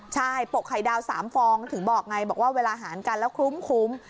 ใช่ปกไข่ดาว๓ฟองถึงบอกไงบอกว่าเวลาหารกันแล้วคลุ้ม